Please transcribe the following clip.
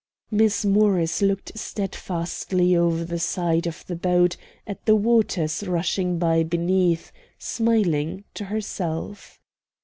'" Miss Morris looked steadfastly over the side of the boat at the waters rushing by beneath, smiling to herself.